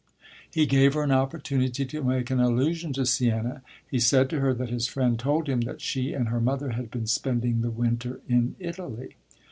He gave her an opportunity to make an allusion to Siena; he said to her that his friend told him that she and her mother had been spending the winter in Italy.